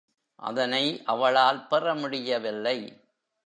அதனை அவளால் பெற முடியவில்லை.